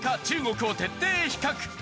中国を徹底比較。